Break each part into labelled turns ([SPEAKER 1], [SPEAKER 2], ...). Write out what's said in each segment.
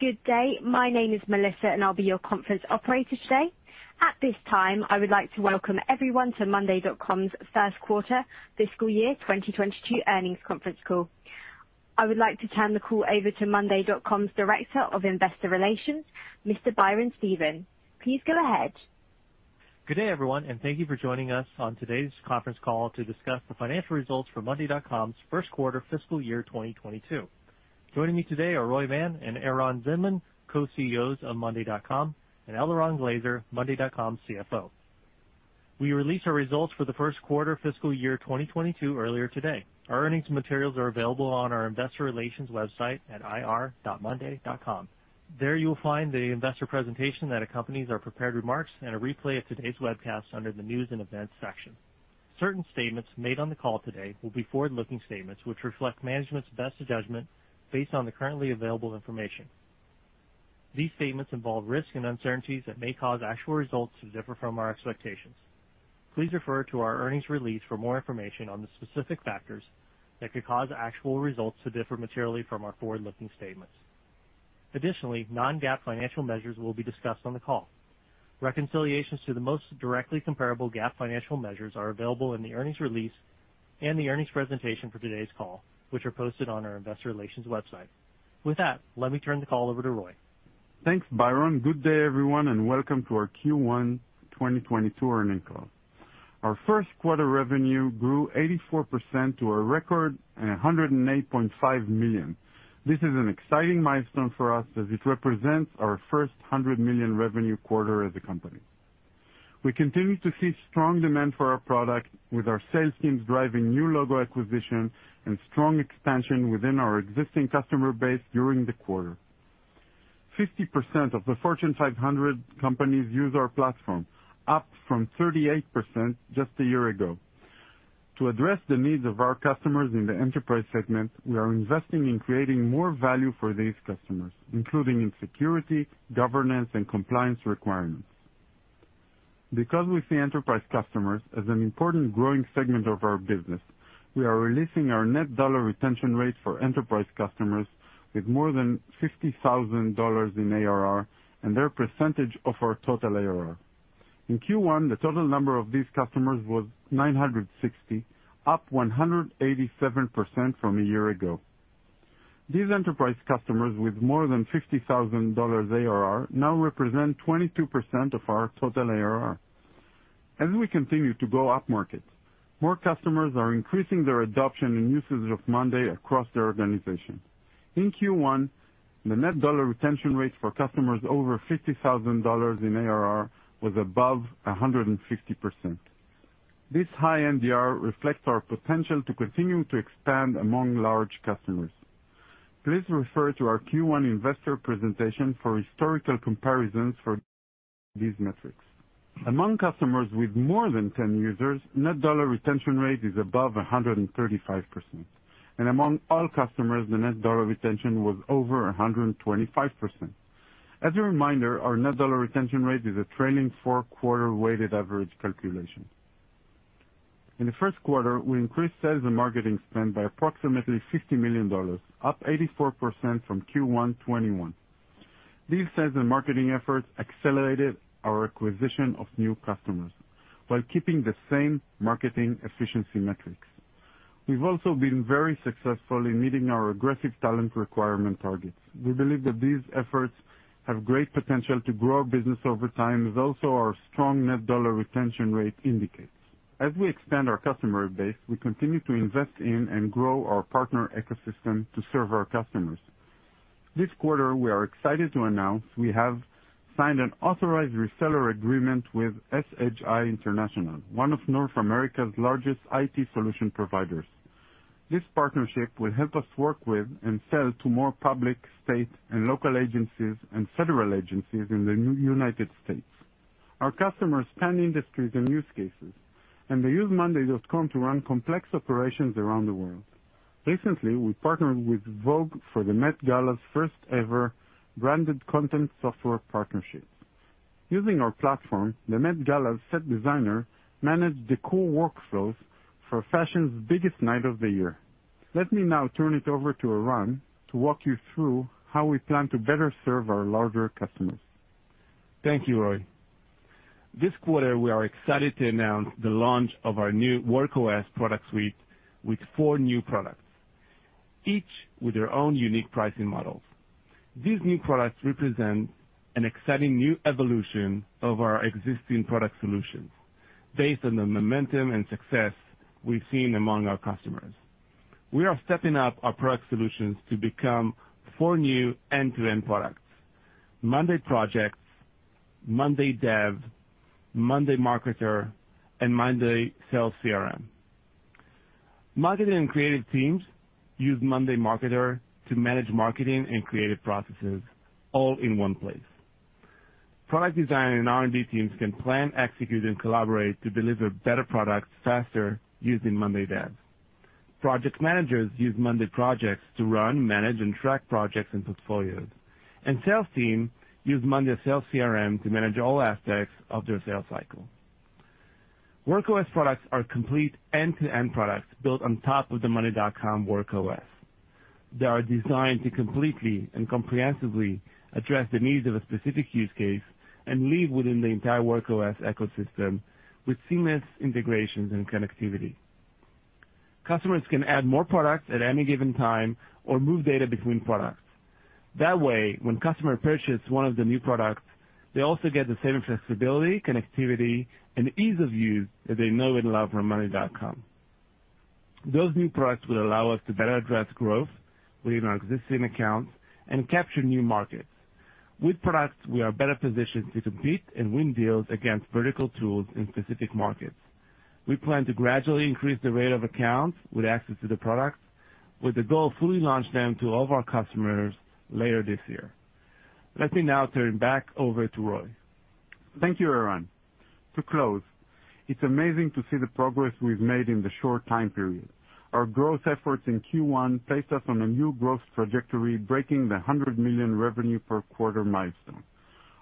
[SPEAKER 1] Good day. My name is Melissa, and I'll be your conference operator today. At this time, I would like to welcome everyone to monday.com's first quarter fiscal year 2022 earnings conference call. I would like to turn the call over to monday.com's Director of Investor Relations, Mr. Byron Stephen. Please go ahead.
[SPEAKER 2] Good day, everyone, and thank you for joining us on today's conference call to discuss the financial results for monday.com's first quarter fiscal year 2022. Joining me today are Roy Mann and Eran Zinman, Co-CEOs of monday.com, and Eliran Glazer, monday.com CFO. We released our results for the first quarter fiscal year 2022 earlier today. Our earnings and materials are available on our investor relations website at ir.monday.com. There you will find the investor presentation that accompanies our prepared remarks and a replay of today's webcast under the News and Events section. Certain statements made on the call today will be forward-looking statements, which reflect management's best judgment based on the currently available information. These statements involve risks and uncertainties that may cause actual results to differ from our expectations. Please refer to our earnings release for more information on the specific factors that could cause actual results to differ materially from our forward-looking statements. Additionally, non-GAAP financial measures will be discussed on the call. Reconciliations to the most directly comparable GAAP financial measures are available in the earnings release and the earnings presentation for today's call, which are posted on our investor relations website. With that, let me turn the call over to Roy.
[SPEAKER 3] Thanks, Byron. Good day, everyone, and welcome to our Q1 2022 earnings call. Our first quarter revenue grew 84% to a record $108.5 million. This is an exciting milestone for us as it represents our first $100 million revenue quarter as a company. We continue to see strong demand for our product with our sales teams driving new logo acquisition and strong expansion within our existing customer base during the quarter. 50% of the Fortune 500 companies use our platform, up from 38% just a year ago. To address the needs of our customers in the enterprise segment, we are investing in creating more value for these customers, including in security, governance, and compliance requirements. Because we see enterprise customers as an important growing segment of our business, we are releasing our net dollar retention rates for enterprise customers with more than $50,000 in ARR and their percentage of our total ARR. In Q1, the total number of these customers was 960, up 187% from a year ago. These enterprise customers with more than $50,000 ARR now represent 22% of our total ARR. As we continue to go upmarket, more customers are increasing their adoption and usage of monday.com across their organization. In Q1, the net dollar retention rate for customers over $50,000 in ARR was above 150%. This high NDR reflects our potential to continue to expand among large customers. Please refer to our Q1 investor presentation for historical comparisons for these metrics. Among customers with more than 10 users, net dollar retention rate is above 135%. Among all customers, the Net Dollar Retention was over 125%. As a reminder, our net dollar retention rate is a trailing four-quarter weighted average calculation. In the first quarter, we increased sales and marketing spend by approximately $50 million, up 84% from Q1 2021. These sales and marketing efforts accelerated our acquisition of new customers while keeping the same marketing efficiency metrics. We've also been very successful in meeting our aggressive talent requirement targets. We believe that these efforts have great potential to grow our business over time, as also our strong net dollar retention rate indicates. As we expand our customer base, we continue to invest in and grow our partner ecosystem to serve our customers. This quarter, we are excited to announce we have signed an authorized reseller agreement with SHI International, one of North America's largest IT solution providers. This partnership will help us work with and sell to more public, state, and local agencies and federal agencies in the United States. Our customers span industries and use cases, and they use monday.com to run complex operations around the world. Recently, we partnered with Vogue for the Met Gala's first-ever branded content software partnership. Using our platform, the Met Gala's set designer managed the core workflows for fashion's biggest night of the year. Let me now turn it over to Eran to walk you through how we plan to better serve our larger customers.
[SPEAKER 4] Thank you, Roy. This quarter, we are excited to announce the launch of our new Work OS product suite with four new products, each with their own unique pricing models. These new products represent an exciting new evolution of our existing product solutions based on the momentum and success we've seen among our customers. We are stepping up our product solutions to become four new end-to-end products, monday projects, monday dev, monday marketer, and monday sales CRM. Marketing and creative teams use monday marketer to manage marketing and creative processes all in one place. Product design and R&D teams can plan, execute, and collaborate to deliver better products faster using monday dev. Project managers use monday projects to run, manage, and track projects and portfolios. Sales team use monday sales CRM to manage all aspects of their sales cycle.
[SPEAKER 5] Work OS products are complete end-to-end products built on top of the monday.com Work OS. They are designed to completely and comprehensively address the needs of a specific use case and live within the entire Work OS ecosystem with seamless integrations and connectivity. Customers can add more products at any given time or move data between products. That way, when customers purchase one of the new products, they also get the same flexibility, connectivity and ease of use that they know and love from monday.com. Those new products will allow us to better address growth within our existing accounts and capture new markets. With products, we are better positioned to compete and win deals against vertical tools in specific markets. We plan to gradually increase the rate of accounts with access to the products, with the goal of fully launch them to all of our customers later this year. Let me now turn back over to Roy.
[SPEAKER 3] Thank you, Eran. To close, it's amazing to see the progress we've made in the short time period. Our growth efforts in Q1 placed us on a new growth trajectory, breaking the $100 million revenue per quarter milestone.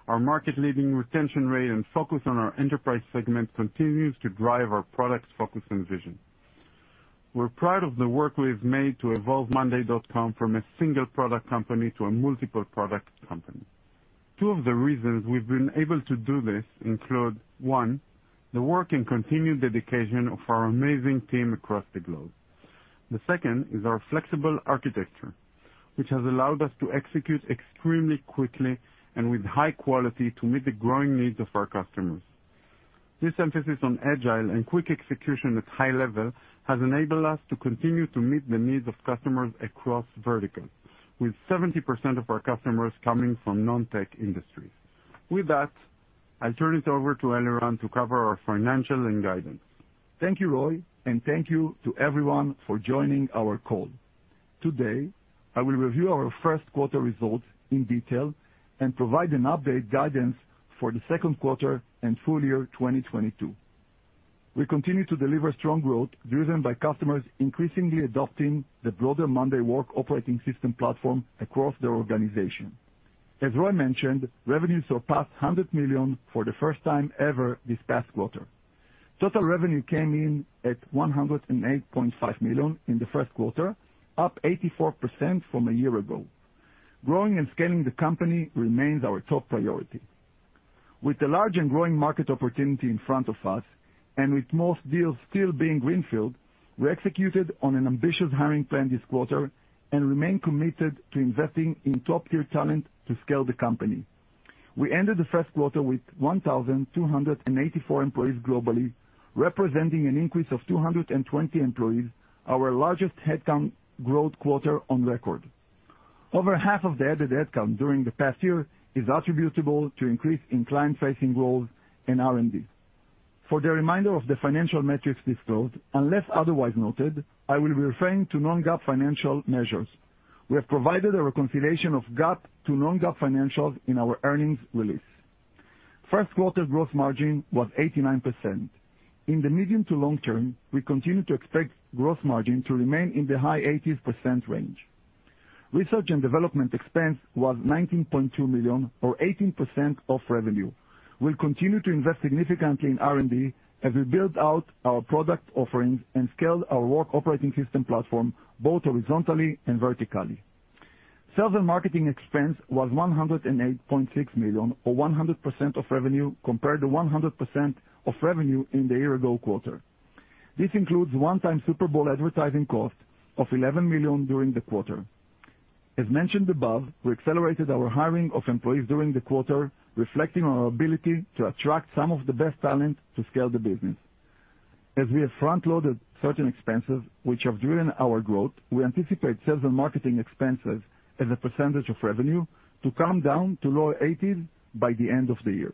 [SPEAKER 3] Our market-leading retention rate and focus on our enterprise segment continues to drive our products focus and vision. We're proud of the work we've made to evolve monday.com from a single product company to a multiple product company. Two of the reasons we've been able to do this include, one, the work and continued dedication of our amazing team across the globe. The second is our flexible architecture, which has allowed us to execute extremely quickly and with high quality to meet the growing needs of our customers. This emphasis on agile and quick execution at high level has enabled us to continue to meet the needs of customers across verticals, with 70% of our customers coming from non-tech industries. With that, I'll turn it over to Eliran to cover our financials and guidance.
[SPEAKER 5] Thank you, Roy, and thank you to everyone for joining our call. Today, I will review our first quarter results in detail and provide an update guidance for the second quarter and full year 2022. We continue to deliver strong growth driven by customers increasingly adopting the broader monday work operating system platform across their organization. As Roy mentioned, revenues surpassed $100 million for the first time ever this past quarter. Total revenue came in at $108.5 million in the first quarter, up 84% from a year ago. Growing and scaling the company remains our top priority. With the large and growing market opportunity in front of us, and with most deals still being greenfield, we executed on an ambitious hiring plan this quarter and remain committed to investing in top-tier talent to scale the company. We ended the first quarter with 1,284 employees globally, representing an increase of 220 employees, our largest headcount growth quarter on record. Over half of the added headcount during the past year is attributable to increase in client-facing roles and R&D. For the remainder of the financial metrics disclosed, unless otherwise noted, I will be referring to non-GAAP financial measures. We have provided a reconciliation of GAAP to non-GAAP financials in our earnings release. First quarter gross margin was 89%. In the medium to long term, we continue to expect gross margin to remain in the high 80%s range. Research and development expense was $19.2 million or 18% of revenue. We'll continue to invest significantly in R&D as we build out our product offerings and scale our work operating system platform both horizontally and vertically. Sales and marketing expense was $108.6 million or 100% of revenue, compared to 100% of revenue in the year-ago quarter. This includes one-time Super Bowl advertising cost of $11 million during the quarter. As mentioned above, we accelerated our hiring of employees during the quarter, reflecting on our ability to attract some of the best talent to scale the business. As we have front-loaded certain expenses which have driven our growth, we anticipate sales and marketing expenses as a percentage of revenue to come down to lower 80s by the end of the year.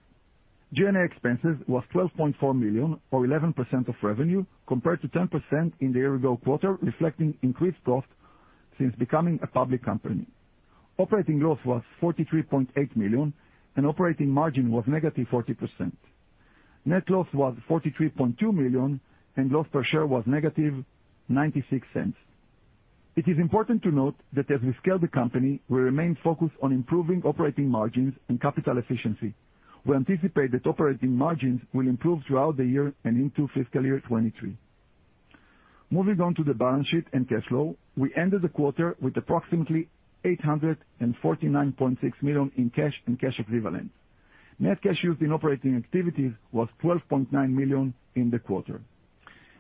[SPEAKER 5] G&A expenses was $12.4 million or 11% of revenue, compared to 10% in the year-ago quarter, reflecting increased costs since becoming a public company. Operating loss was $43.8 million, and operating margin was -40%. Net loss was $43.2 million, and loss per share was -$0.96. It is important to note that as we scale the company, we remain focused on improving operating margins and capital efficiency. We anticipate that operating margins will improve throughout the year and into fiscal year 2023. Moving on to the balance sheet and cash flow. We ended the quarter with approximately $849.6 million in cash and cash equivalents. Net cash used in operating activities was $12.9 million in the quarter.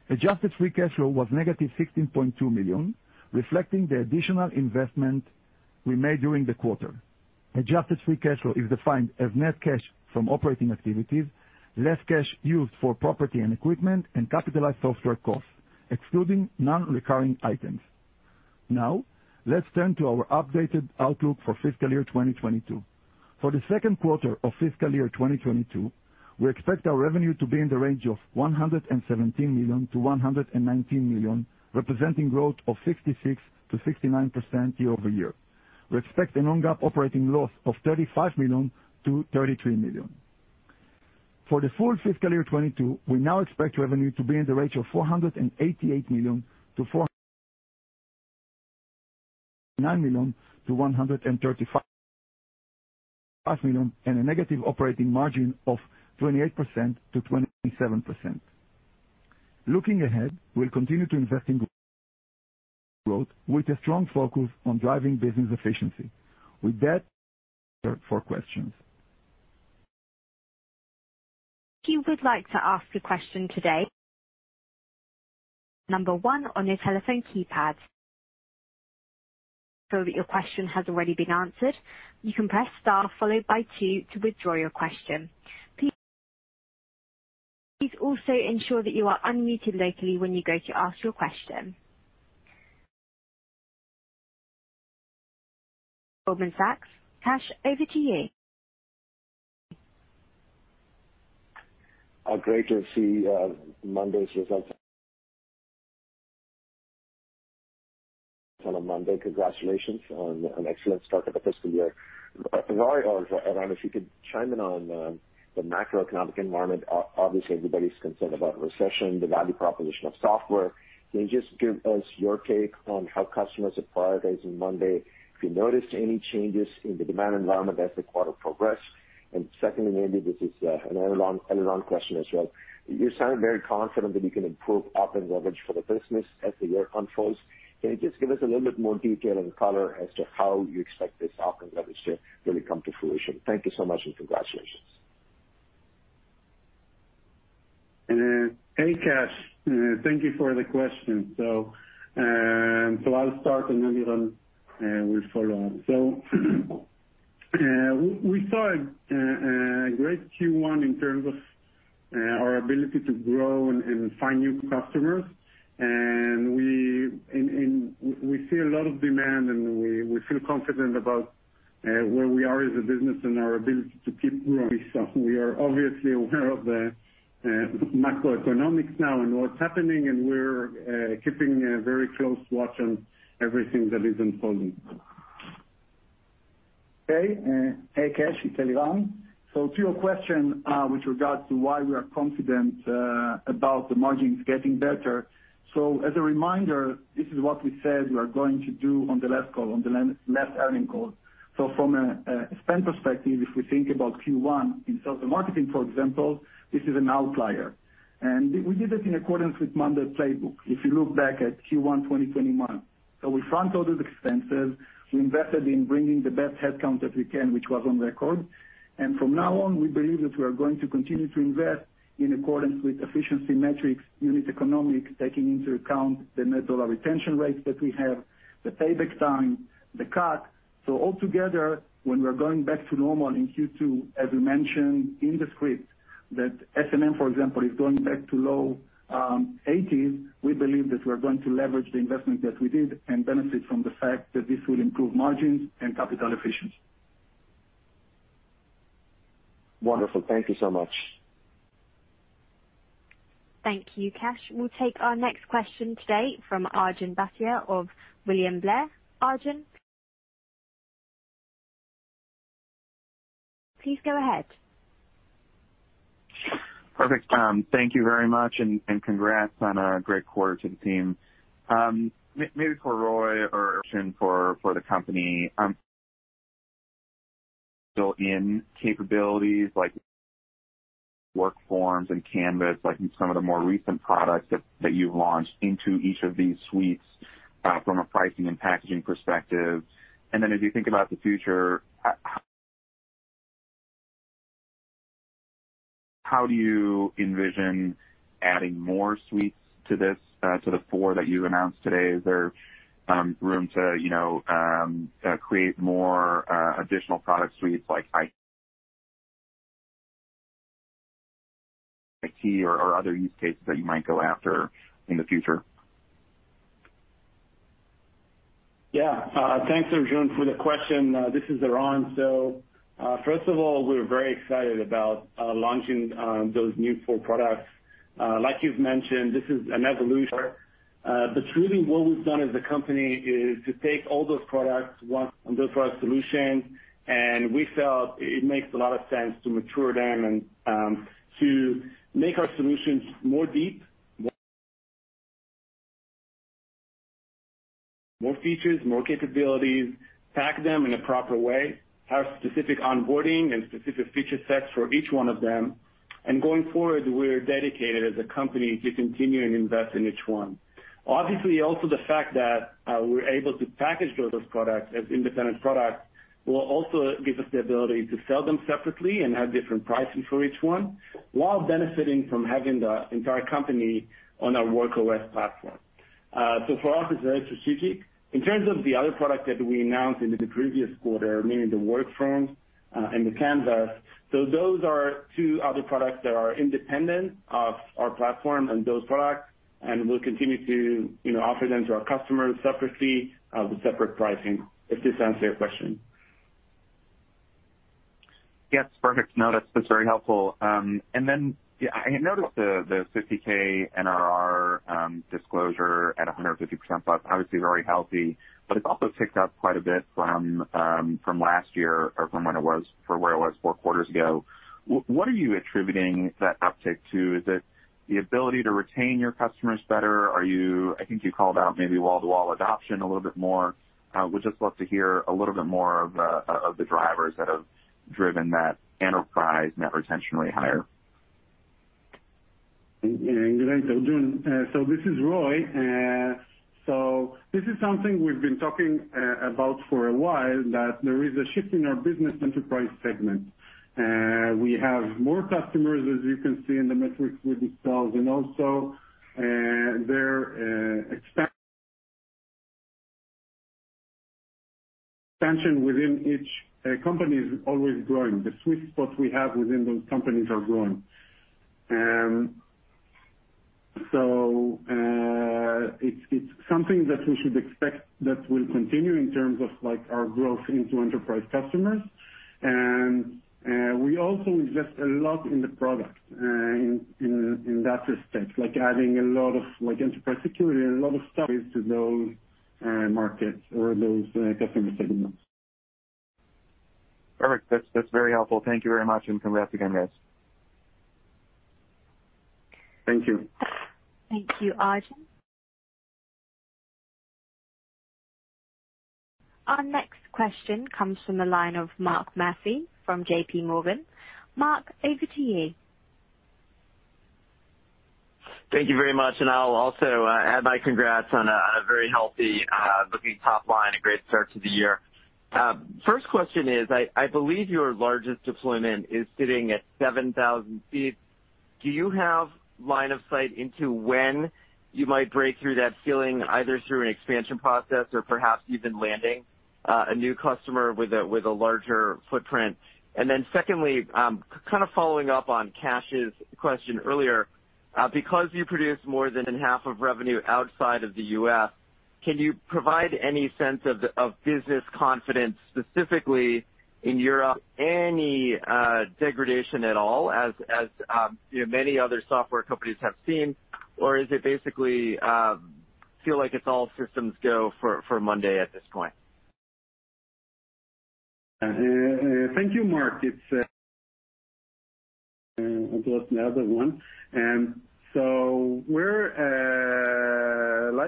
[SPEAKER 5] Adjusted free cash flow was -$16.2 million, reflecting the additional investment we made during the quarter. Adjusted free cash flow is defined as net cash from operating activities, less cash used for property and equipment and capitalized software costs, excluding non-recurring items. Now, let's turn to our updated outlook for fiscal year 2022. For the second quarter of fiscal year 2022, we expect our revenue to be in the range of $117 million-$119 million, representing growth of 66%-69% year-over-year. We expect a non-GAAP operating loss of $35 million-$33 million. For the full fiscal year 2022, we now expect revenue to be in the range of $488 million to four- $9 million-$135 million, and a negative operating margin of 28%-27%. Looking ahead, we'll continue to invest in growth with a strong focus on driving business efficiency. With that, for questions.
[SPEAKER 1] If you would like to ask a question today, one on your telephone keypad. If your question has already been answered, you can press star followed by two to withdraw your question. Please also ensure that you are unmuted locally when you go to ask your question. Goldman Sachs, Kash, over to you.
[SPEAKER 6] Great to see monday.com's results on a Monday. Congratulations on an excellent start to the fiscal year. Roy or Eran, if you could chime in on the macroeconomic environment. Obviously, everybody's concerned about recession, the value proposition of software. Can you just give us your take on how customers are prioritizing monday? If you noticed any changes in the demand environment as the quarter progressed. Secondly, maybe this is an Eran question as well. You sound very confident that you can improve op and leverage for the business as the year unfolds. Can you just give us a little bit more detail and color as to how you expect this op and leverage to really come to fruition? Thank you so much, and congratulations.
[SPEAKER 3] Hey, Kash. Thank you for the question. I'll start, and maybe Eran will follow on. We saw a great Q1 in terms of our ability to grow and find new customers. We see a lot of demand, and we feel confident about where we are as a business and our ability to keep growing. We are obviously aware of the macroeconomics now and what's happening, and we're keeping a very close watch on everything that is unfolding.
[SPEAKER 5] Okay, hey, Kash, it's Eliran. To your question, with regards to why we are confident about the margins getting better. As a reminder, this is what we said we are going to do on the last call, on the last earnings call. From a spend perspective, if we think about Q1 in sales and marketing, for example, this is an outlier. We did it in accordance with monday.com playbook, if you look back at Q1 2021. We front-loaded expenses. We invested in bringing the best headcount that we can, which was on record. From now on, we believe that we are going to continue to invest in accordance with efficiency metrics, unit economics, taking into account the net dollar retention rates that we have, the payback time, the CAC. Altogether, when we're going back to normal in Q2, as we mentioned in the script, that S&M, for example, is going back to low 80%s. We believe that we are going to leverage the investment that we did and benefit from the fact that this will improve margins and capital efficiency.
[SPEAKER 6] Wonderful. Thank you so much.
[SPEAKER 1] Thank you, Kash. We'll take our next question today from Arjun Bhatia of William Blair. Arjun, please go ahead.
[SPEAKER 7] Perfect. Thank you very much and congrats on a great quarter to the team. Maybe for Roy or for the company, built-in capabilities like WorkForms and Canvas, like in some of the more recent products that you've launched into each of these suites, from a pricing and packaging perspective. Then as you think about the future, how do you envision adding more suites to this, to the four that you announced today? Is there room to, you know, create more additional product suites like IT or other use cases that you might go after in the future?
[SPEAKER 4] Yeah. Thanks, Arjun, for the question. This is Eran. First of all, we're very excited about launching those new four products. Like you've mentioned, this is an evolution. Really what we've done as a company is to take all those products once and build for our solutions. We felt it makes a lot of sense to mature them and to make our solutions more deep. More features, more capabilities, pack them in a proper way, have specific onboarding and specific feature sets for each one of them. Going forward, we're dedicated as a company to continue and invest in each one. Obviously, also the fact that we're able to package those products as independent products will also give us the ability to sell them separately and have different pricing for each one while benefiting from having the entire company on our Work OS platform. For us, it's very strategic. In terms of the other product that we announced in the previous quarter, meaning the WorkForms, and the Canvas. Those are two other products that are independent of our platform and those products, and we'll continue to, you know, offer them to our customers separately, with separate pricing. If this answers your question.
[SPEAKER 7] Yes, perfect. No, that's very helpful. And then I noticed the 50K NDR disclosure at 100%+, obviously very healthy, but it's also ticked up quite a bit from last year or from when it was four quarters ago. What are you attributing that uptick to? Is it the ability to retain your customers better? Are you? I think you called out maybe wall-to-wall adoption a little bit more. Would just love to hear a little bit more of the drivers that have driven that enterprise net retention rate higher.
[SPEAKER 3] Great, Arjun. This is Roy. This is something we've been talking about for a while, that there is a shift in our business enterprise segment. We have more customers, as you can see in the metrics we disclosed. Also, their expansion within each company is always growing. The sweet spot we have within those companies are growing. It's something that we should expect that will continue in terms of, like, our growth into enterprise customers. We also invest a lot in the product in that respect, like adding a lot of, like, enterprise security and a lot of stuff into those markets or those customer segments.
[SPEAKER 7] Perfect. That's very helpful. Thank you very much, and congrats again, guys.
[SPEAKER 3] Thank you.
[SPEAKER 1] Thank you, Arjun. Our next question comes from the line of Mark Murphy from JPMorgan. Mark, over to you.
[SPEAKER 8] Thank you very much, I'll also add my congrats on a very healthy looking top line, a great start to the year. First question is, I believe your largest deployment is sitting at 7,000 seats. Do you have line of sight into when you might break through that ceiling, either through an expansion process or perhaps even landing a new customer with a larger footprint? Then secondly, kind of following up on Kash's question earlier, because you produce more than half of revenue outside of the U.S., can you provide any sense of business confidence, specifically in Europe, any degradation at all, as you know, many other software companies have seen, or is it basically feel like it's all systems go for monday.com at this point?
[SPEAKER 3] Thank you, Mark. It's, I've lost the other one. We're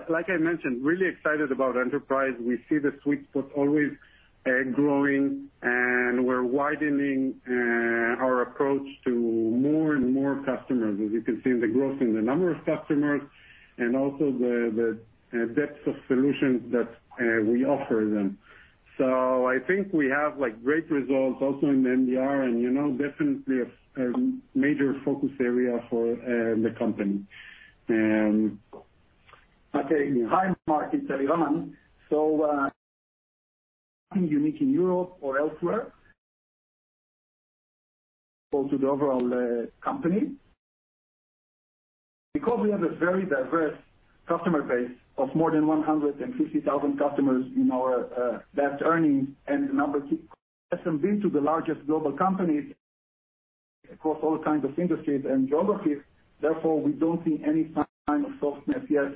[SPEAKER 3] like I mentioned, really excited about enterprise. We see the sweet spot always growing, and we're widening our approach to more and more customers, as you can see in the growth in the number of customers and also the depth of solutions that we offer them. I think we have, like, great results also in NDR and, you know, definitely a major focus area for the company.
[SPEAKER 5] Okay. Hi, Mark, it's Eliran. Nothing unique in Europe or elsewhere to the overall company. Because we have a very diverse customer base of more than 150,000 customers in our last earnings, and the number keep SMB to the largest global companies across all kinds of industries and geographies. Therefore, we don't see any sign of softness yet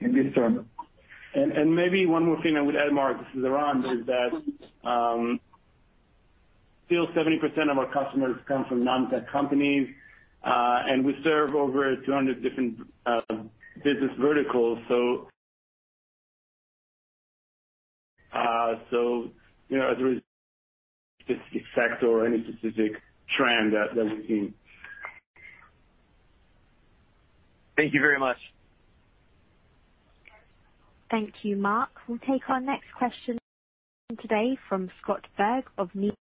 [SPEAKER 5] in this term.
[SPEAKER 4] maybe one more thing I would add, Mark, this is Eran, is that still 70% of our customers come from non-tech companies, and we serve over 200 different business verticals. You know, there is this effect or any specific trend that we've seen.
[SPEAKER 8] Thank you very much.
[SPEAKER 1] Thank you, Mark. We'll take our next question today from Scott Berg of Needham.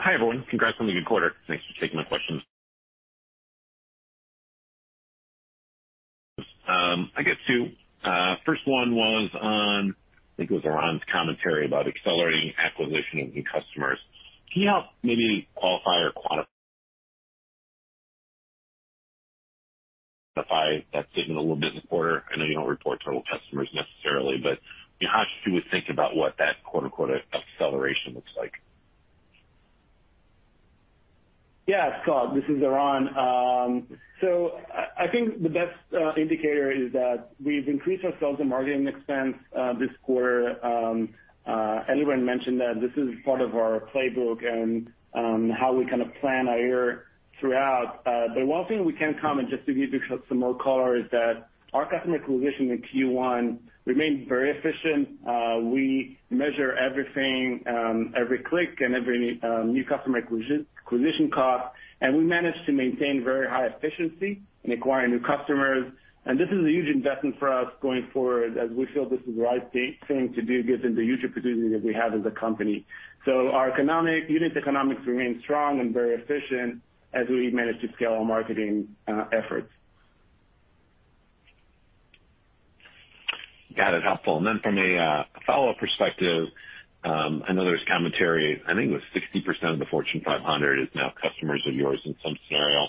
[SPEAKER 9] Hi, everyone. Congrats on the good quarter. Thanks for taking my questions. I guess two. First one was on, I think it was Eran's commentary about accelerating acquisition of new customers. Can you help maybe qualify or quantify that signal a little bit this quarter? I know you don't report total customers necessarily, but how should we think about what that quote-unquote acceleration looks like?
[SPEAKER 4] Yeah, Scott, this is Eran. I think the best indicator is that we've increased our sales and marketing expense this quarter. Eliran mentioned that this is part of our playbook and how we kind of plan our year throughout. One thing we can comment, just to give you some more color, is that our customer acquisition in Q1 remained very efficient. We measure everything, every click and every new customer acquisition cost, and we managed to maintain very high efficiency in acquiring new customers. This is a huge investment for us going forward, as we feel this is the right thing to do given the huge opportunity that we have as a company. Our economic unit economics remain strong and very efficient as we manage to scale our marketing efforts.
[SPEAKER 9] Got it. Helpful. Then from a follow-on perspective, I know there's commentary, I think it was 60% of the Fortune 500 is now customers of yours in some scenario.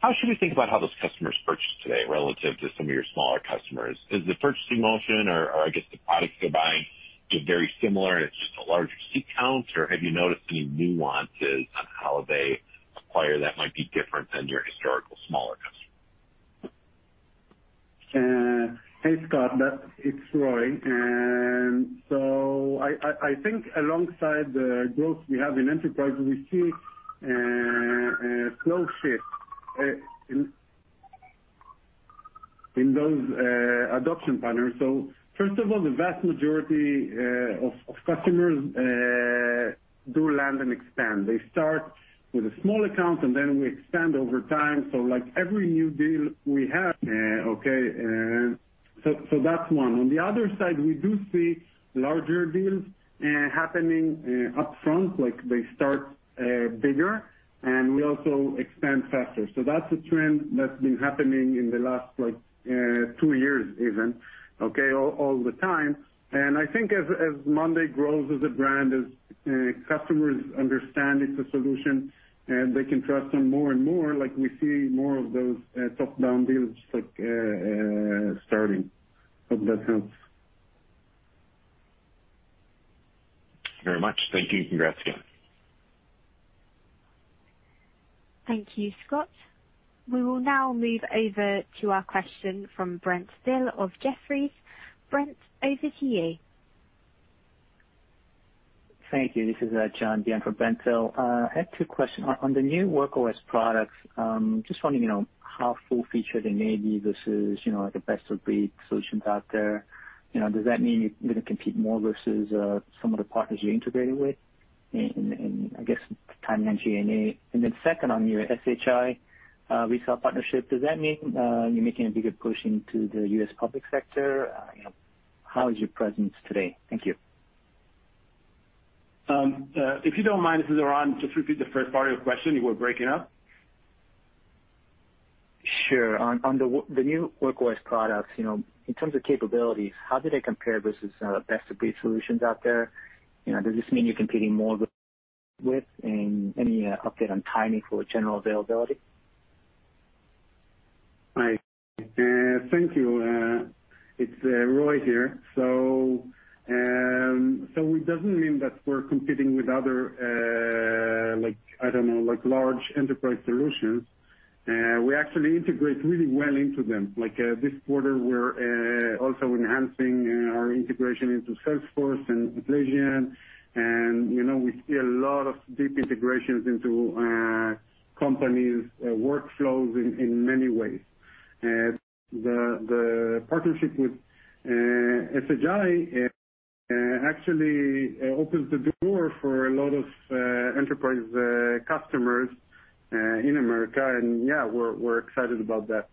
[SPEAKER 9] How should we think about how those customers purchase today relative to some of your smaller customers? Is the purchasing motion or I guess the products they're buying is very similar and it's just a larger seat count, or have you noticed any nuances on how they acquire that might be different than your historical smaller customer?
[SPEAKER 3] Hey, Scott, it's Roy. I think alongside the growth we have in enterprise, we see a slow shift in those adoption partners. First of all, the vast majority of customers do land and expand. They start with a small account, and then we expand over time. Like every new deal we have, okay, so that's one. On the other side, we do see larger deals happening upfront, like they start bigger, and we also expand faster. That's a trend that's been happening in the last like two years even, okay, all the time. I think as monday grows as a brand, as customers understand it's a solution and they can trust them more and more, like, we see more of those top-down deals, like, starting. Hope that helps.
[SPEAKER 9] Very much. Thank you. Congrats again.
[SPEAKER 1] Thank you, Scott. We will now move over to our question from Brent Thill of Jefferies. Brent, over to you.
[SPEAKER 10] Thank you. This is John Byun for Brent Thill. I had two questions. On the new Work OS products, just want to you know how full featured they may be versus you know the best-of-breed solutions out there. You know, does that mean you're gonna compete more versus some of the partners you integrated with? And I guess timing and G&A. Second, on your SHI resale partnership, does that mean you're making a bigger push into the U.S. public sector? You know, how is your presence today? Thank you.
[SPEAKER 4] If you don't mind, this is Eran. Just repeat the first part of your question. You were breaking up.
[SPEAKER 10] Sure. On the new Work OS products, you know, in terms of capabilities, how do they compare versus best-of-breed solutions out there? You know, does this mean you're competing more with, and any update on timing for general availability?
[SPEAKER 3] Hi. Thank you. It's Roy here. It doesn't mean that we're competing with other, like, I don't know, like large enterprise solutions. We actually integrate really well into them. Like, this quarter, we're also enhancing our integration into Salesforce and Atlassian. You know, we see a lot of deep integrations into companies' workflows in many ways. The partnership with SHI actually opens the door for a lot of enterprise customers in America. Yeah, we're excited about that.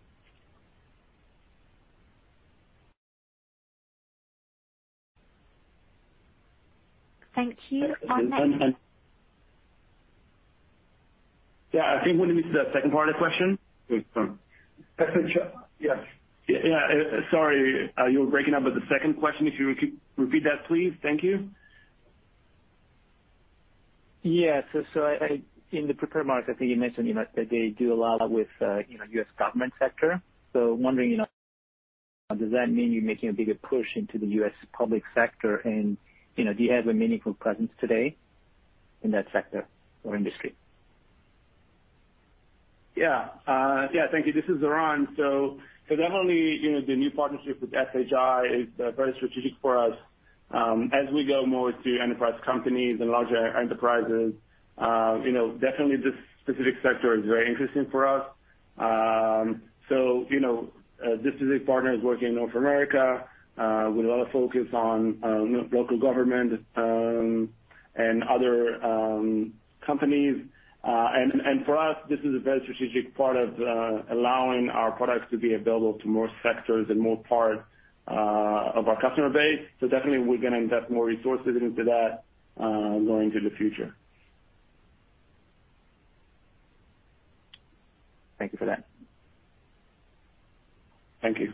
[SPEAKER 1] Thank you.
[SPEAKER 4] Yeah. I think we missed the second part of the question. Sorry. Yes. Yeah. Sorry, you were breaking up with the second question. If you repeat that, please. Thank you.
[SPEAKER 10] Yeah. In the prepared remarks, I think you mentioned, you know, that they do a lot with, you know, U.S. government sector. Wondering, you know, does that mean you're making a bigger push into the U.S. public sector and, you know, do you have a meaningful presence today in that sector or industry?
[SPEAKER 4] Yeah. Thank you. This is Eran. Definitely, you know, the new partnership with SHI is very strategic for us as we go more to enterprise companies and larger enterprises. You know, definitely this specific sector is very interesting for us. You know, this specific partner is working in North America with a lot of focus on local government and other companies. For us, this is a very strategic part of allowing our products to be available to more sectors and more parts of our customer base. Definitely we're gonna invest more resources into that going to the future.
[SPEAKER 10] Thank you for that.
[SPEAKER 4] Thank you.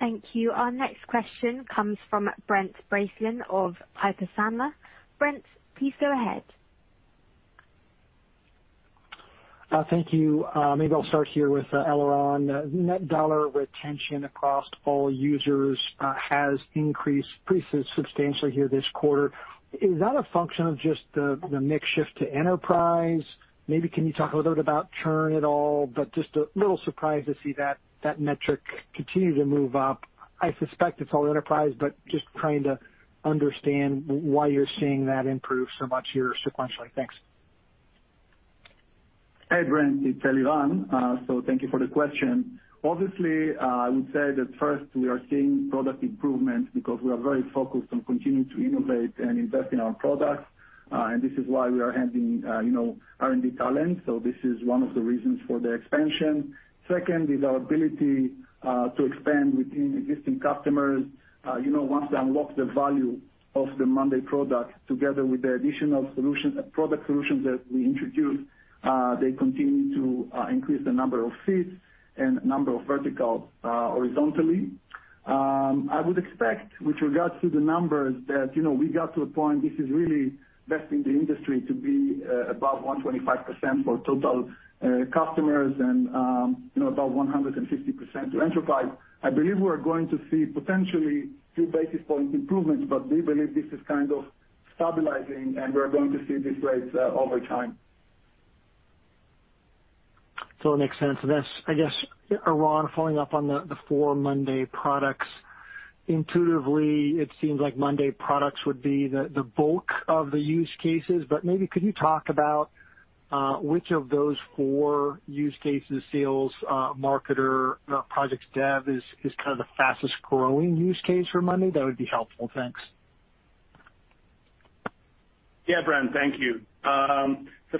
[SPEAKER 1] Thank you. Our next question comes from Brent Bracelin of Piper Sandler. Brent, please go ahead.
[SPEAKER 11] Thank you. Maybe I'll start here with Eliran. Net dollar retention across all users has increased pretty substantially here this quarter. Is that a function of just the mix shift to enterprise? Maybe can you talk a little bit about churn at all? Just a little surprised to see that metric continue to move up. I suspect it's all enterprise, but just trying to understand why you're seeing that improve so much here sequentially. Thanks.
[SPEAKER 5] Hey, Brent, it's Eliran. Thank you for the question. Obviously, I would say that first we are seeing product improvement because we are very focused on continuing to innovate and invest in our products. This is why we are adding, you know, R&D talent. This is one of the reasons for the expansion. Second is our ability to expand within existing customers. You know, once they unlock the value of the monday product together with the additional solutions, product solutions that we introduce, they continue to increase the number of seats and number of verticals, horizontally. I would expect with regards to the numbers that, you know, we got to a point, this is really best in the industry to be above 125% for total customers and, you know, about 150% to enterprise. I believe we're going to see potentially 2 basis point improvements, but we believe this is kind of stabilizing, and we're going to see these rates over time.
[SPEAKER 11] It makes sense. I guess, Eran, following up on the four monday products Intuitively, it seems like Monday products would be the bulk of the use cases, but maybe could you talk about which of those four use cases, sales, marketer, projects dev is kind of the fastest growing use case for Monday? That would be helpful. Thanks.
[SPEAKER 4] Yeah, Brent. Thank you.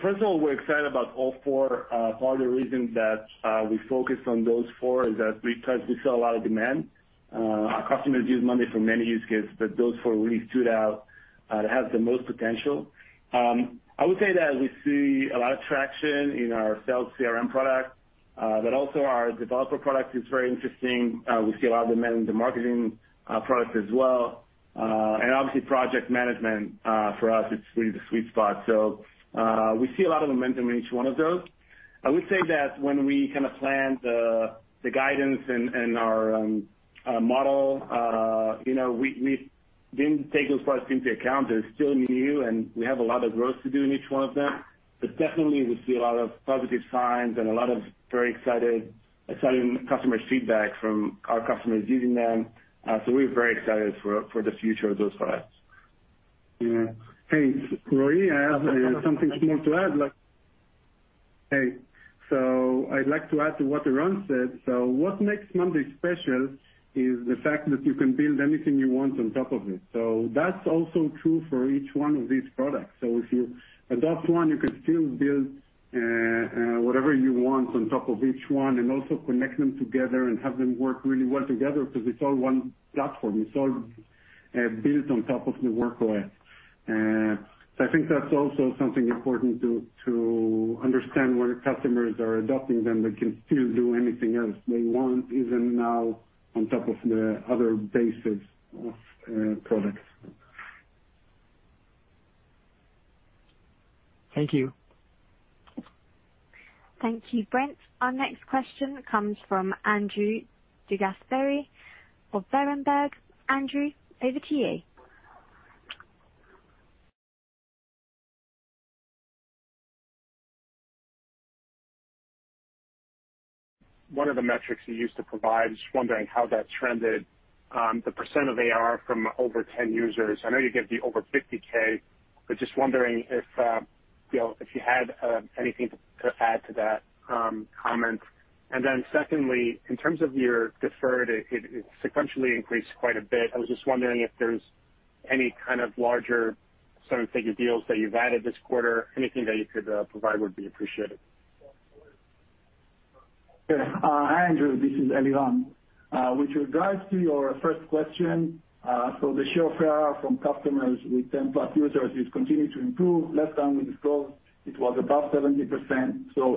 [SPEAKER 4] First of all, we're excited about all four, part of the reason that we focused on those four is that because we saw a lot of demand. Our customers use monday for many use cases, but those four really stood out to have the most potential. I would say that we see a lot of traction in our sales CRM product, but also our developer product is very interesting. We see a lot of demand in the marketing product as well. And obviously project management, for us it's really the sweet spot. We see a lot of momentum in each one of those. I would say that when we kind of plan the guidance and our model, you know, we didn't take those products into account. They're still new, and we have a lot of growth to do in each one of them. Definitely we see a lot of positive signs and a lot of very excited, exciting customer feedback from our customers using them. We're very excited for the future of those products.
[SPEAKER 3] Yeah. Hey, Roy, I have something small to add. I'd like to add to what Eran said. What makes monday special is the fact that you can build anything you want on top of it. That's also true for each one of these products. If you adopt one, you can still build whatever you want on top of each one, and also connect them together and have them work really well together because it's all one platform. It's all built on top of the Work OS. I think that's also something important to understand when customers are adopting them. They can still do anything else they want, even now, on top of the other bases of products.
[SPEAKER 11] Thank you.
[SPEAKER 1] Thank you, Brent. Our next question comes from Andrew DeGasperi of Berenberg. Andrew, over to you.
[SPEAKER 12] One of the metrics you used to provide, just wondering how that trended, the percent of ARR from over 10 users. I know you gave the over 50K. Just wondering if, you know, if you had anything to add to that comment. Then secondly, in terms of your deferred, it sequentially increased quite a bit. I was just wondering if there's any kind of larger seven-figure deals that you've added this quarter. Anything that you could provide would be appreciated.
[SPEAKER 5] Okay. Hi, Andrew, this is Eliran. With regards to your first question, the share of ARR from customers with 10+ users is continuing to improve. Last time we disclosed it was above 70%.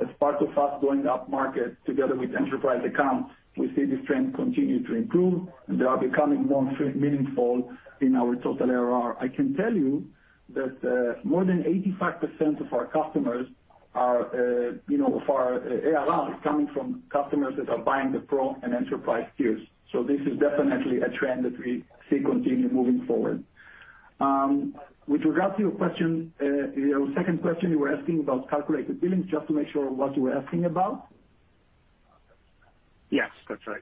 [SPEAKER 5] As part of us going upmarket together with enterprise accounts, we see this trend continue to improve, and they are becoming more meaningful in our total ARR. I can tell you that, more than 85% of our customers are, you know, of our ARR is coming from customers that are buying the pro and enterprise tiers. This is definitely a trend that we see continue moving forward. With regards to your question, your second question, you were asking about calculated billings, just to make sure what you were asking about.
[SPEAKER 12] Yes, that's right.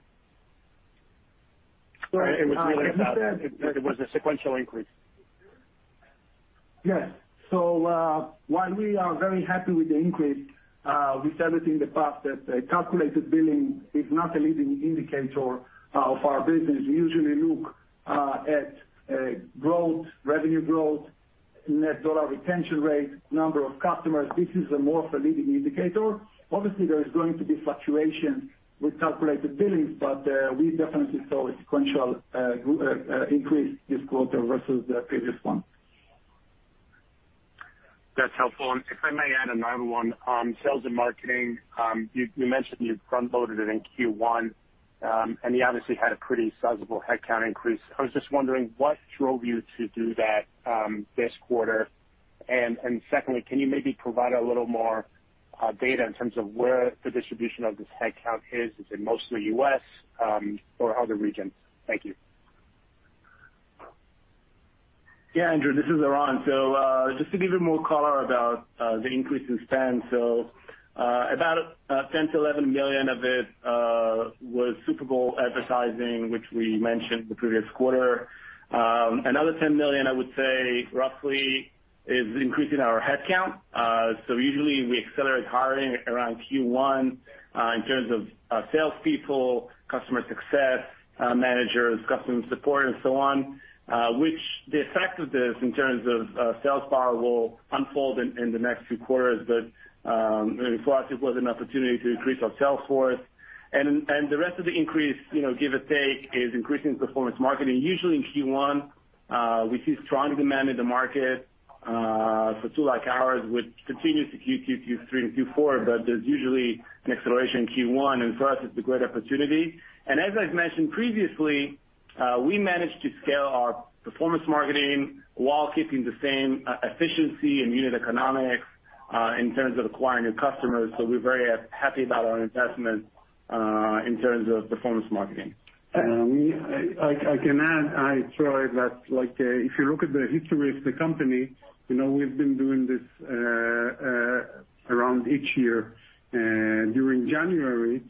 [SPEAKER 5] Sorry. I understand.
[SPEAKER 12] There was a sequential increase.
[SPEAKER 5] Yes. While we are very happy with the increase, we said it in the past that calculated billings is not a leading indicator of our business. We usually look at growth, revenue growth, net dollar retention rate, number of customers. This is a more leading indicator. Obviously, there is going to be fluctuation with calculated billings, but we definitely saw a sequential increase this quarter versus the previous one.
[SPEAKER 12] That's helpful. If I may add another one, sales and marketing, you mentioned you front loaded it in Q1, and you obviously had a pretty sizable headcount increase. I was just wondering what drove you to do that, this quarter? Secondly, can you maybe provide a little more data in terms of where the distribution of this headcount is? Is it mostly U.S., or other regions? Thank you.
[SPEAKER 4] Yeah, Andrew, this is Eran. Just to give you more color about the increase in spend. About $10 million-$11 million of it was Super Bowl advertising, which we mentioned the previous quarter. Another $10 million, I would say roughly is increasing our headcount. Usually we accelerate hiring around Q1 in terms of salespeople, customer success managers, customer support and so on. Which the effect of this in terms of sales power will unfold in the next few quarters. For us it was an opportunity to increase our sales force. The rest of the increase, you know, give or take, is increasing performance marketing. Usually in Q1 we see strong demand in the market for tools like ours, which continues to Q2, Q3, and Q4. There's usually an acceleration in Q1. For us it's a great opportunity. As I've mentioned previously, we managed to scale our performance marketing while keeping the same efficiency and unit economics, in terms of acquiring new customers. We're very happy about our investment, in terms of performance marketing.
[SPEAKER 3] I can add, it's Roy, that, like, if you look at the history of the company, you know, we've been doing this around each year during January.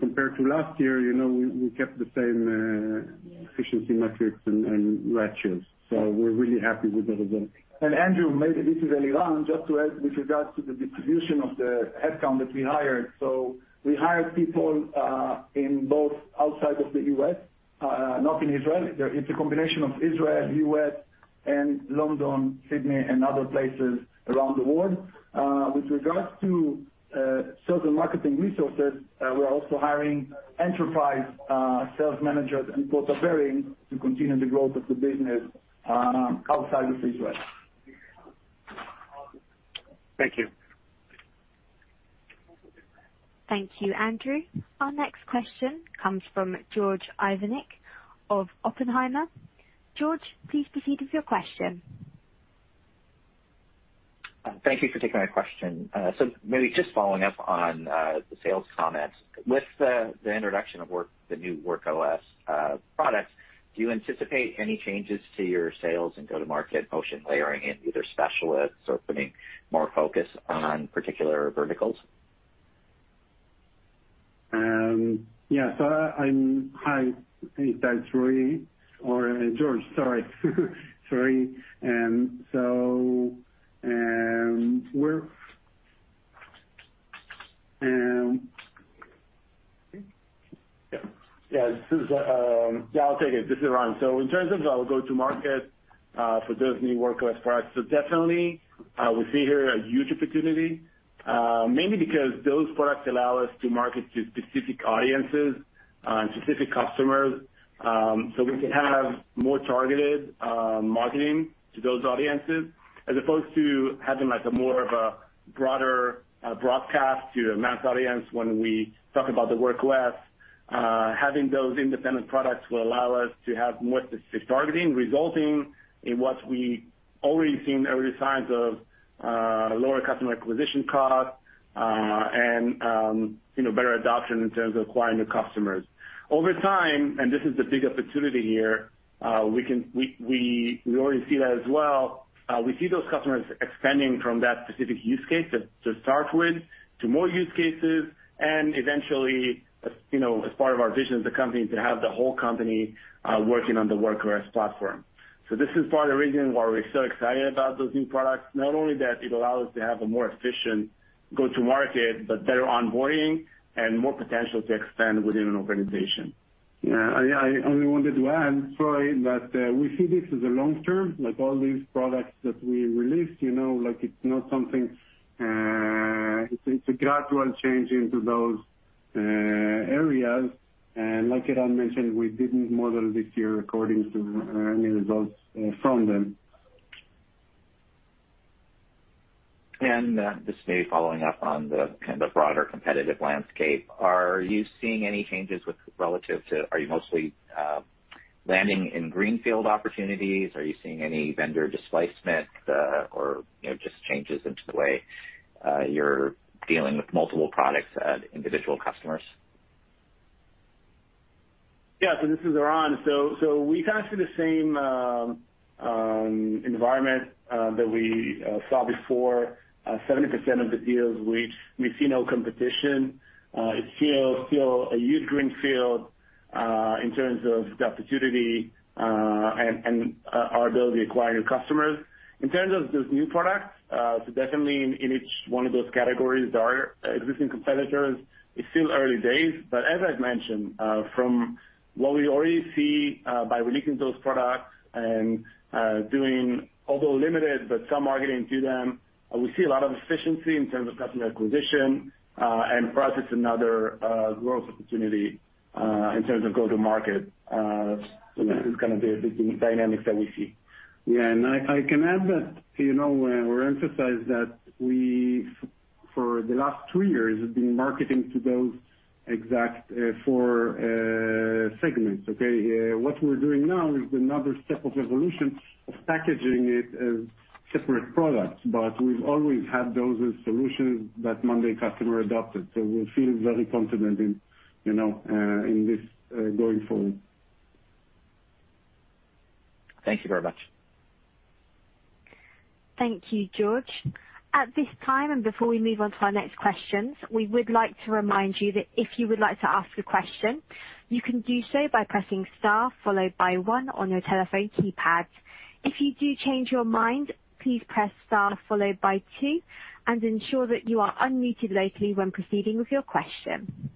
[SPEAKER 3] Compared to last year, you know, we kept the same efficiency metrics and ratios. We're really happy with the results.
[SPEAKER 5] Andrew, maybe. This is Eliran, just to add with regards to the distribution of the headcount that we hired. We hired people in both outside of the U.S., not in Israel. There is a combination of Israel, U.S., and London, Sydney, and other places around the world. With regards to sales and marketing resources, we're also hiring enterprise sales managers and quota-bearing to continue the growth of the business outside of Israel.
[SPEAKER 12] Thank you.
[SPEAKER 1] Thank you, Andrew. Our next question comes from George Iwanyc of Oppenheimer. George, please proceed with your question.
[SPEAKER 13] Thank you for taking my question. Maybe just following up on the sales comments. With the introduction of the new Work OS products, do you anticipate any changes to your sales and go-to-market motion, layering in either specialists or putting more focus on particular verticals?
[SPEAKER 3] Yeah. Hi. Its Roy or George? Sorry. Sorry.
[SPEAKER 4] Yeah. I'll take it. This is Eran. In terms of our go-to market for those new Work OS products. Definitely, we see here a huge opportunity, mainly because those products allow us to market to specific audiences and specific customers, so we can have more targeted marketing to those audiences as opposed to having like a more of a broader broadcast to a mass audience when we talk about the Work OS. Having those independent products will allow us to have more specific targeting, resulting in what we already seen early signs of, lower customer acquisition costs and, you know, better adoption in terms of acquiring new customers. Over time, this is the big opportunity here. We already see that as well. We see those customers expanding from that specific use case to start with, to more use cases and eventually, you know, as part of our vision as a company to have the whole company working on the Work OS platform. This is part of the reason why we're so excited about those new products. Not only that, it allow us to have a more efficient go-to-market, but better onboarding and more potential to expand within an organization.
[SPEAKER 3] Yeah, I only wanted to add, it's Roy, that we see this as a long term, like all these products that we released, you know, like it's not something, it's a gradual change into those areas. Like Eran mentioned, we didn't model this year according to any results from them.
[SPEAKER 13] Just maybe following up on the kind of broader competitive landscape. Are you seeing any changes? Are you mostly landing in greenfield opportunities? Are you seeing any vendor displacement, or, you know, just changes in the way you're dealing with multiple products at individual customers?
[SPEAKER 4] Yeah, this is Eran. We kind of see the same environment that we saw before. 70% of the deals, we see no competition. It's still a huge greenfield in terms of the opportunity and our ability to acquire new customers. In terms of those new products, definitely in each one of those categories, there are existing competitors. It's still early days. As I've mentioned, from what we already see, by releasing those products and doing, although limited, but some marketing to them, we see a lot of efficiency in terms of customer acquisition, and products is another growth opportunity in terms of go-to-market. That is kind of the dynamics that we see. Yeah. I can add that, you know, or emphasize that we for the last two years have been marketing to those exact four segments, okay? What we're doing now is another step of evolution of packaging it as separate products. We've always had those as solutions that monday customer adopted. We feel very confident in, you know, in this going forward.
[SPEAKER 13] Thank you very much.
[SPEAKER 1] Thank you, George. At this time, and before we move on to our next questions, we would like to remind you that if you would like to ask a question, you can do so by pressing star followed by one on your telephone keypad. If you do change your mind, please press star followed by two and ensure that you are unmuted locally when proceeding with your question.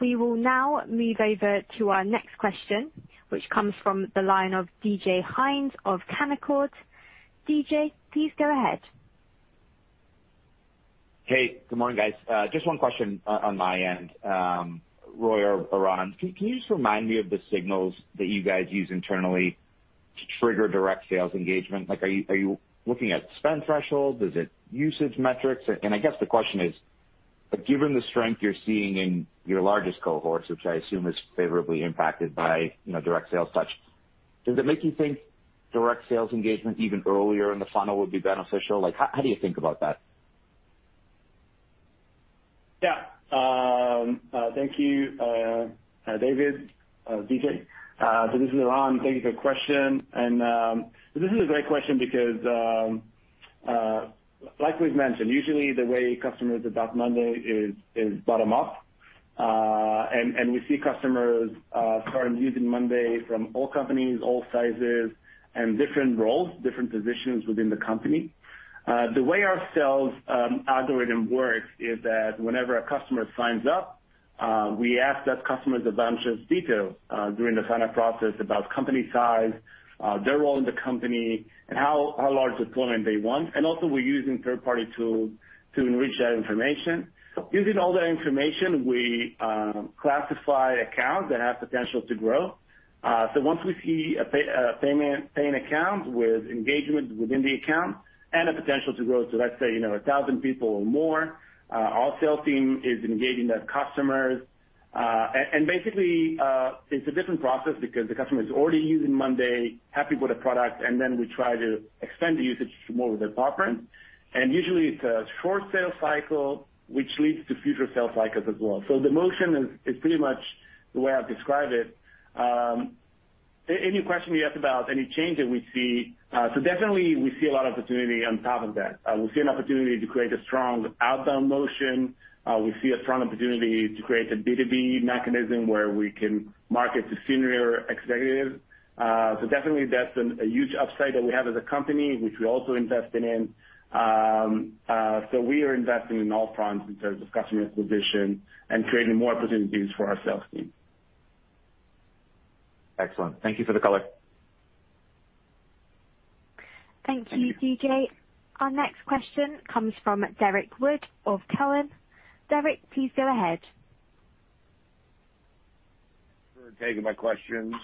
[SPEAKER 1] We will now move over to our next question, which comes from the line of DJ Hynes of Canaccord. DJ, please go ahead.
[SPEAKER 14] Hey, good morning, guys. Just one question on my end. Roy or Eran, can you just remind me of the signals that you guys use internally to trigger direct sales engagement? Like, are you looking at spend thresholds? Is it usage metrics? I guess the question is, like given the strength you're seeing in your largest cohorts, which I assume is favorably impacted by, you know, direct sales touch, does it make you think direct sales engagement even earlier in the funnel would be beneficial? Like, how do you think about that?
[SPEAKER 4] Thank you, David, DJ. This is Eran. Thank you for your question. This is a great question because, like we've mentioned, usually the way customers adopt monday is bottom up. We see customers start using monday from all companies, all sizes and different roles, different positions within the company. The way our sales algorithm works is that whenever a customer signs up, we ask that customer a bunch of detail during the sign-up process about company size, their role in the company and how large deployment they want. Also we're using third-party tools to enrich that information. Using all that information, we classify accounts that have potential to grow. Once we see a paying account with engagement within the account and a potential to grow, let's say, you know, 1,000 people or more, our sales team is engaging that customers. It's a different process because the customer is already using monday, happy with the product, and then we try to extend the usage to more of their footprint. Usually it's a short sales cycle which leads to future sales cycles as well. The motion is pretty much the way I've described it. Any question you ask about any changes we see. Definitely we see a lot of opportunity on top of that. We see an opportunity to create a strong outbound motion. We see a strong opportunity to create a B2B mechanism where we can market to senior executives. Definitely, that's a huge upside that we have as a company, which we're also investing in. We are investing in all fronts in terms of customer acquisition and creating more opportunities for our sales team.
[SPEAKER 14] Excellent. Thank you for the color.
[SPEAKER 1] Thank you, DJ.
[SPEAKER 4] Thank you.
[SPEAKER 1] Our next question comes from Derrick Wood of Cowen. Derrick, please go ahead.
[SPEAKER 15] For taking my questions.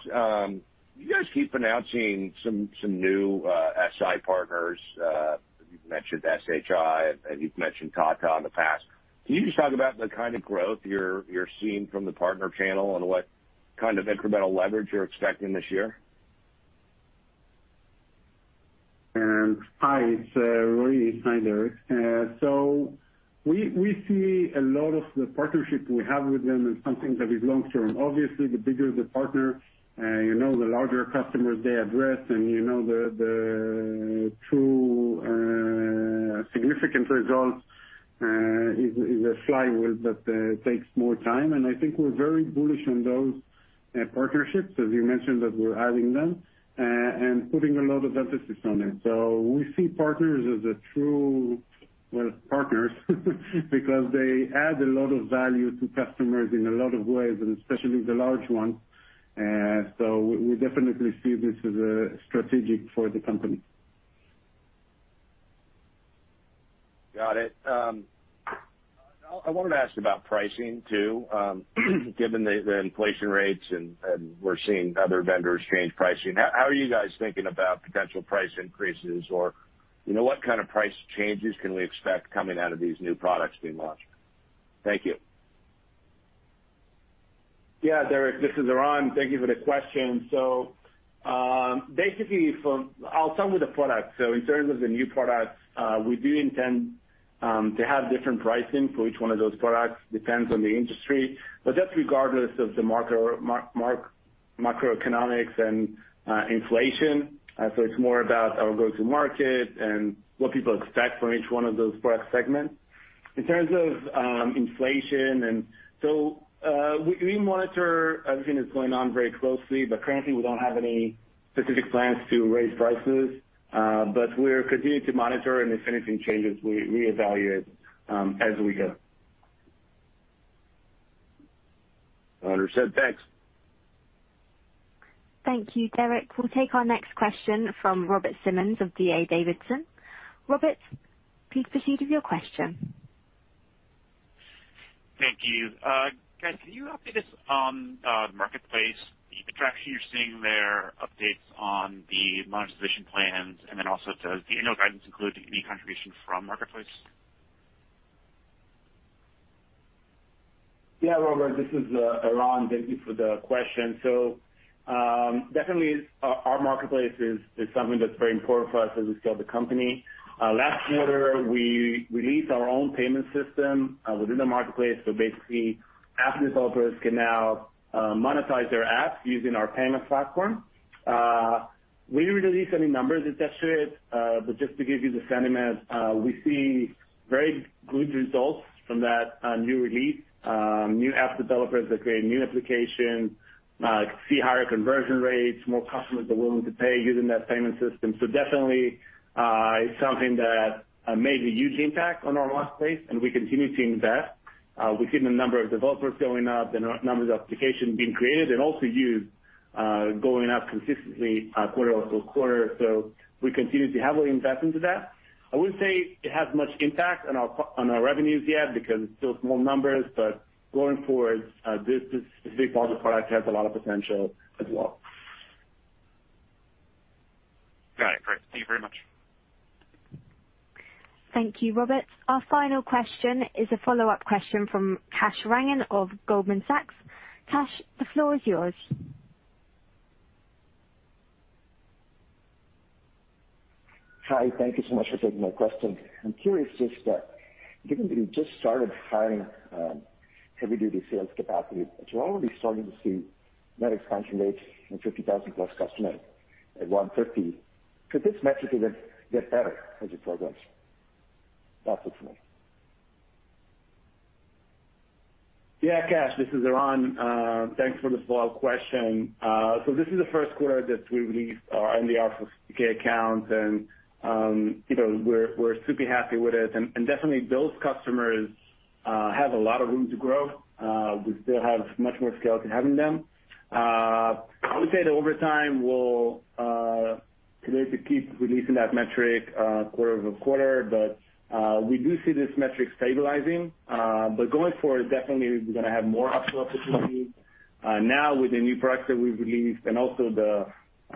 [SPEAKER 15] You guys keep announcing some new SI partners. You've mentioned SHI and you've mentioned Tata in the past. Can you just talk about the kind of growth you're seeing from the partner channel and what kind of incremental leverage you're expecting this year?
[SPEAKER 3] Hi, it's Roy. Hi, Derrick. We see a lot of the partnerships we have with them as something that is long term. Obviously, the bigger the partner, you know, the larger customers they address and, you know, the true significant results is a flywheel that takes more time. I think we're very bullish on those partnerships, as you mentioned, that we're adding them and putting a lot of emphasis on it. We see partners as a true, well, partners, because they add a lot of value to customers in a lot of ways and especially the large ones. We definitely see this as a strategic for the company.
[SPEAKER 15] Got it. I wanted to ask about pricing too, given the inflation rates and we're seeing other vendors change pricing. How are you guys thinking about potential price increases or, you know, what kind of price changes can we expect coming out of these new products being launched? Thank you.
[SPEAKER 4] Yeah, Derrick, this is Eran. Thank you for the question. I'll start with the product. In terms of the new products, we do intend to have different pricing for each one of those products, depends on the industry. That's regardless of the market macroeconomics and inflation. It's more about our go-to-market and what people expect from each one of those product segments. In terms of inflation. We monitor everything that's going on very closely, but currently we don't have any specific plans to raise prices. We're continuing to monitor and if anything changes, we evaluate as we go.
[SPEAKER 15] Understood. Thanks.
[SPEAKER 1] Thank you, Derrick. We'll take our next question from Robert Simmons of D.A. Davidson. Robert, please proceed with your question.
[SPEAKER 16] Thank you. Guys, can you update us on marketplace, the traction you're seeing there, updates on the monetization plans, and then also does the annual guidance include any contribution from marketplace?
[SPEAKER 4] Yeah, Robert. This is Eran. Thank you for the question. Definitely our marketplace is something that's very important for us as we scale the company. Last quarter, we released our own payment system within the marketplace. Basically, app developers can now monetize their apps using our payment platform. We didn't release any numbers attached to it, but just to give you the sentiment, we see very good results from that new release. New app developers that create new applications see higher conversion rates, more customers are willing to pay using that payment system. Definitely, it's something that made a huge impact on our marketplace, and we continue to invest. We've seen the number of developers going up and our numbers of applications being created and also used, going up consistently, quarter-over-quarter. We continue to heavily invest into that. I wouldn't say it has much impact on our revenues yet because it's still small numbers, but going forward, this is a big product, has a lot of potential as well.
[SPEAKER 16] Got it. Great. Thank you very much.
[SPEAKER 1] Thank you, Robert. Our final question is a follow-up question from Kash Rangan of Goldman Sachs. Kash, the floor is yours.
[SPEAKER 6] Hi. Thank you so much for taking my question. I'm curious just, given that you just started hiring heavy-duty sales capacity, but you're already starting to see net expansion rates in 50,000+ customers at 150, could this metric even get better as it progresses? That's it for me.
[SPEAKER 4] Yeah, Kash. This is Eran. Thanks for the follow-up question. This is the first quarter that we released our NDR for 50K accounts and, you know, we're super happy with it. Definitely those customers have a lot of room to grow. We still have much more scale to have in them. I would say that over time we'll continue to keep releasing that metric, quarter-over-quarter. We do see this metric stabilizing. Going forward, definitely we're gonna have more upsell opportunities. Now with the new products that we've released and also the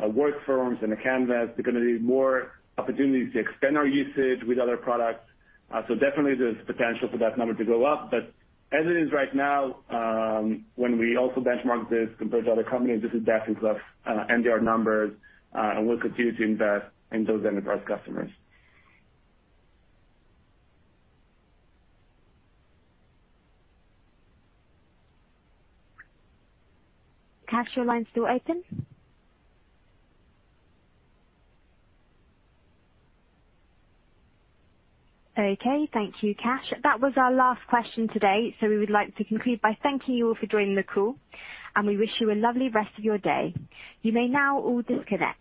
[SPEAKER 4] WorkForms and the Canvas, they're gonna be more opportunities to extend our usage with other products. Definitely there's potential for that number to go up. As it is right now, when we also benchmark this compared to other companies, this is definitely plus NDR numbers, and we'll continue to invest in those enterprise customers.
[SPEAKER 1] Kash, your line still open? Okay, thank you, Kash. That was our last question today, so we would like to conclude by thanking you all for joining the call, and we wish you a lovely rest of your day. You may now all disconnect.